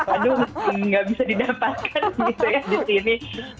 aduh nggak bisa didapatkan gitu ya di sini